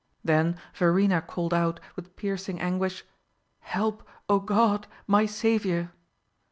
Then Verena called out, with piercing anguish, 'Help, O God, my Saviour!